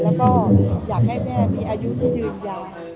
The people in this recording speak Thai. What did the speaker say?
แล้วก็อยากให้แม่มีอายุที่ยืนยาว